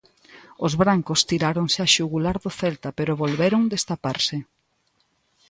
Os brancos tiráronse á xugular do Celta pero volveron destaparse.